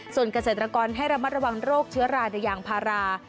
ส่วนเกษตรกรให้ระมัดระวังโรคเชื้อราในยางพารา